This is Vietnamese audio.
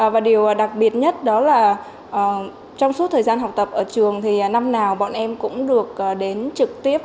và điều đặc biệt nhất đó là trong suốt thời gian học tập ở trường thì năm nào bọn em cũng được đến trực tiếp